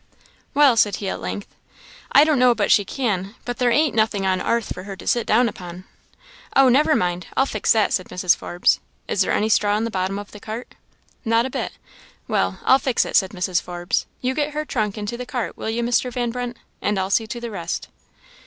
"Well," said he at length, "I don't know but she can; but there ain't nothing on 'arth for her to sit down upon." "Oh, never mind; I'll fix that," said Mrs. Forbes. "Is there any straw in the bottom of the cart?" "Not a bit." "Well, I'll fix it," said Mrs. Forbes. "You get her trunk into the cart, will you, Mr. Van Brunt? and I'll see to the rest."